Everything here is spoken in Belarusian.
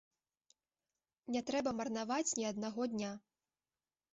Не трэба марнаваць ні аднаго дня.